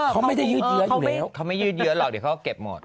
เขาไม่ถึงยืดเยอะอยู่แล้วเขาเดี่ยวเขาจะเก็บหมด